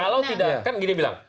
kalau tidak kan gini bilang